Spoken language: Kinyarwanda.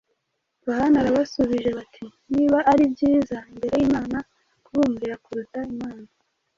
Yohana arabasubije bati, « Niba ari byiza imbere y’Imana kubumvira kuruta Imana,